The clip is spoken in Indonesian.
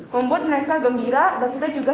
membuat mereka gembira dan kita juga